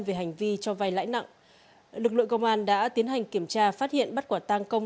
về hành vi cho vay lãi nặng lực lượng công an đã tiến hành kiểm tra phát hiện bắt quả tang công